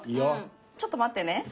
ちょっと待ってね。